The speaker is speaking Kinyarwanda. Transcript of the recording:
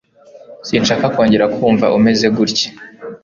Sinshaka kongera kumva umeze gutya.